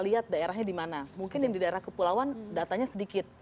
coba kalau kita lihat daerahnya di mana mungkin yang di daerah kepulauan datanya sedikit